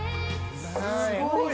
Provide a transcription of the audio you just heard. すごい！